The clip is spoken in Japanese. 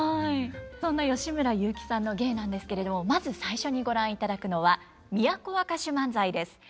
そんな吉村雄輝さんの芸なんですけれどもまず最初にご覧いただくのは「都若衆萬歳」です。